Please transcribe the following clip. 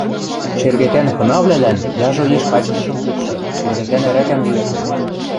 – Шергӓкӓн хынавлӓлӓн яжо йиш качкышым пукшы, шергӓкӓн ӓрӓкӓм йӱктӹ...